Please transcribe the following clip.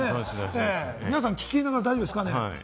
皆さん、聞きながら大丈夫ですか？